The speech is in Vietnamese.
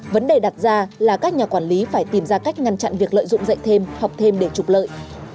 vấn đề đặt ra là các nhà quản lý phải tìm ra cách ngăn chặn việc lợi dụng dạy thêm học thêm để trục lợi